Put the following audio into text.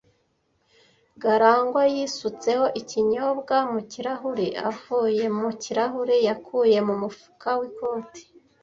Garangwa yisutseho ikinyobwa mu kirahure avuye mu kirahure yakuye mu mufuka w'ikoti.